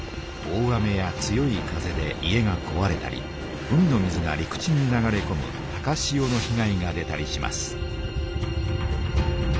大雨や強い風で家がこわれたり海の水が陸地に流れこむ高潮のひ害が出たりします。